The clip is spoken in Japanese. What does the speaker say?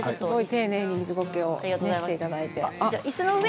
丁寧に水ゴケをしていただいて。